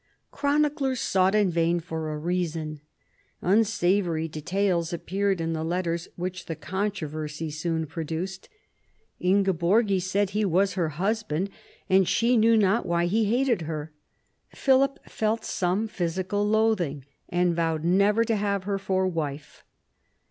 Chroniclers sought in vain for a reason. Unsavoury details appeared in the letters which the controversy soon produced. Ingeborgis said he was her husband, and she knew not why he hated her. Philip felt some physical loathing, and vowed never to have her for wife.